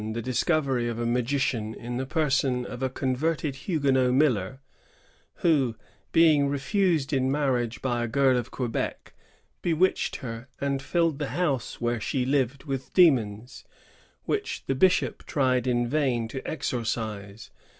the dis covery of a magician in the person of a converted Huguenot miller, who, being refused in marriage by a girl of Quebec, bewitched her, and filled the house where she lived with demons, which the bishop tried in vain to exorcise.